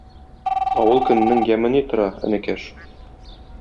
Авыл көненең яме ни тора, энекәш.